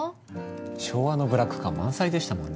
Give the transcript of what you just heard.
昭和のブラック感満載でしたもんね。